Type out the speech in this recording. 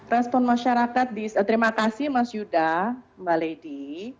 respon masyarakat terima kasih mas yuda mbak lady